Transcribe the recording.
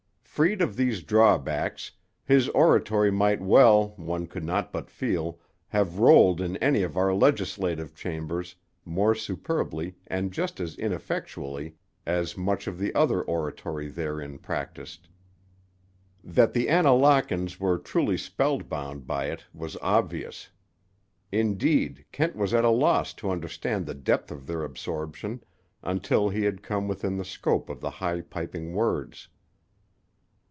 Freed of these drawbacks, his oratory might well, one could not but feel, have rolled in any of our legislative chambers more superbly and just as ineffectually as much of the other oratory therein practised. That the Annalakans were truly spellbound by it was obvious. Indeed, Kent was at a loss to understand the depth of their absorption until he had come within the scope of the high piping words.